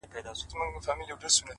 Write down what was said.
ته خو له هري ښيښې وځې و ښيښې ته ورځې ـ